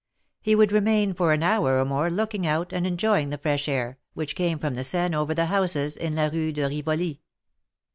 He would remain for an hour or more looking out, and enjoying the fresh air, which came from the Seine over the houses in la Rue de Rivoli.